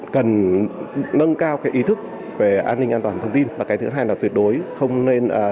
cần nâng cao cái ý thức về an ninh an toàn thông tin và cái thứ hai là tuyệt đối không nên